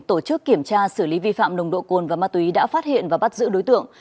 tổ chức kiểm tra xử lý vi phạm nồng độ cồn và ma túy đã phát hiện và bắt giữ đối tượng